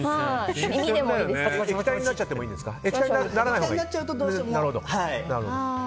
液体になっちゃってもいいんですか。